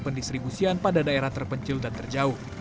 pendistribusian pada daerah terpencil dan terjauh